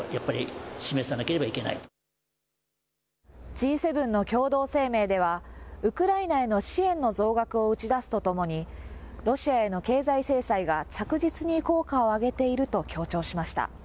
Ｇ７の共同声明では、ウクライナへの支援の増額を打ち出すとともに、ロシアへの経済制裁が着実に効果を上げていると強調しました。